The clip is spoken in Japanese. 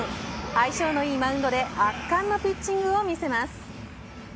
相性のいいマウンドで圧巻のピッチングを見せます。